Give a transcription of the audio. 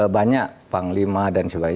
banyak panglima dan sebagainya